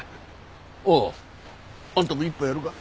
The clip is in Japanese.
あああんたも一杯やるか？